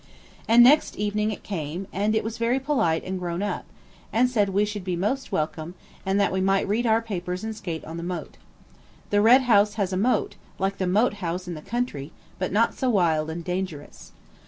And next evening it came, and it was very polite and grown up–and said we should be welcome, and that we might read our papers and skate on the moat. The Red House has a moat, like the Moat House in the country, but not so wild and dangerous.